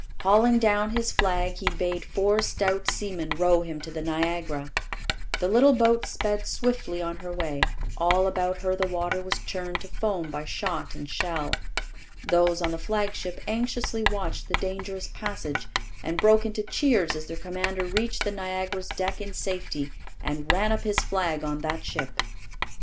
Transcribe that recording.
Hauling down his flag, he bade four stout seamen row him to the Niagara. The little boat sped swiftly on her way; all about her the water was churned to foam by shot and shell. Those on the flagship anxiously watched the dangerous passage, and broke into cheers as their commander reached the Niagara's deck in safety and ran up his flag on that ship.